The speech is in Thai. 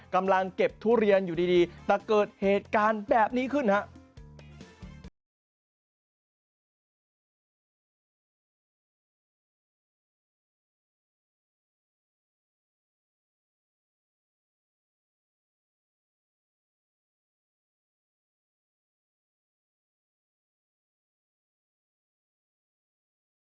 กำลังเก็บทุเรียนอยู่ดีแต่เกิดเหตุการณ์แบบนี้ขึ้นครับ